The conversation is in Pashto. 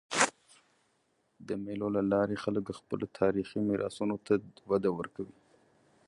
د مېلو له لاري خلک خپلو تاریخي میراثونو ته وده ورکوي.